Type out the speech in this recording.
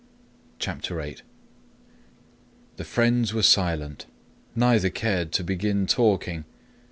CHAPTER VIII The friends were silent. Neither cared to begin talking.